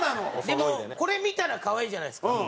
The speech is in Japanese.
でもこれ見たら可愛いじゃないですか。